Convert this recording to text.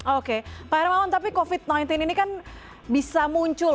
oke pak hermawan tapi covid sembilan belas ini kan bisa muncul